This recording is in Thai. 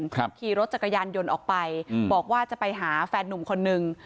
ขี่รถจักรยานยนต์ออกไปอืมบอกว่าจะไปหาแฟนนุ่มคนนึง